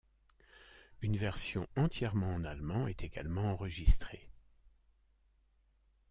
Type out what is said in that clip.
Une version entièrement en allemand est également enregistrée.